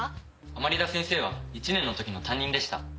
甘利田先生は１年の時の担任でした。